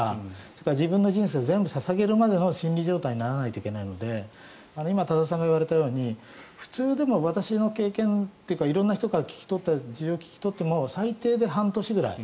それから自分の人生を全部捧げるまでの心理状態にならないといけないので今、多田さんが言われたように普通でも私の経験というか色んな人から事情を聞き取っても最低で半年ぐらい。